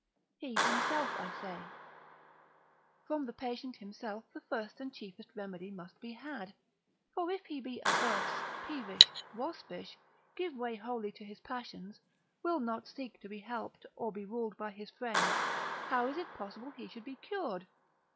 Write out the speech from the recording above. He himself (I say); from the patient himself the first and chiefest remedy must be had; for if he be averse, peevish, waspish, give way wholly to his passions, will not seek to be helped, or be ruled by his friends, how is it possible he should be cured?